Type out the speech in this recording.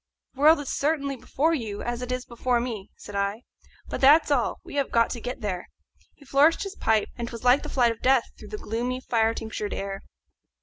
"The world is certainly before you, as it is before me," said I, "but that's all; we have got to get there." He flourished his pipe, and 'twas like the flight of Death through the gloomy fire tinctured air.